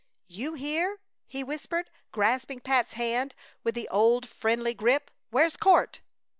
"You here!" he whispered, grasping Pat's hand with the old friendly grip. "Where's Court?"